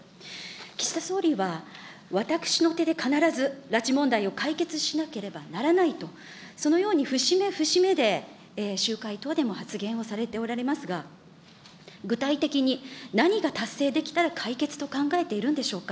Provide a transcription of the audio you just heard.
岸田総理は、私の手で必ず拉致問題を解決しなければならないと、そのように節目節目で、集会等でも発言をされておられますが、具体的に何が達成できたら解決と考えているんでしょうか。